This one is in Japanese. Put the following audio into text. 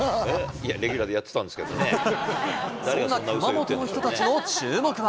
いや、レギュラーでやってたそんな熊本の人たちの注目は。